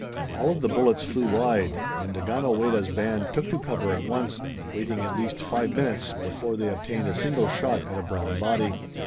All of the bullets flew wide, and Daganoweda's band took to cover at once, waiting at least five minutes before they obtained a single shot at a brown body.